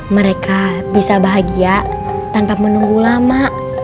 mereka bisa bahagia tanpa menunggu lama